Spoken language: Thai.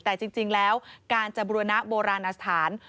แต่จริงแล้วการจะบุรณะโบราณสถาน